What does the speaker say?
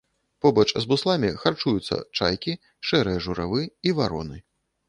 Побач з бусламі харчуюцца чайкі, шэрыя журавы і вароны.